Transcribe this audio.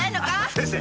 先生。